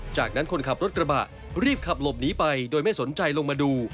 จากนั้นคนขับรถกระบะรีบขับหลบหนีไปโดยไม่สนใจลงมาดู